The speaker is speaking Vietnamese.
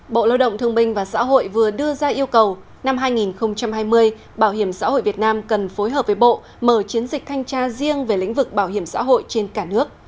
bộ lao động thương minh và xã hội vừa đưa ra yêu cầu năm hai nghìn hai mươi bảo hiểm xã hội việt nam cần phối hợp với bộ mở chiến dịch thanh tra riêng về lĩnh vực bảo hiểm xã hội trên cả nước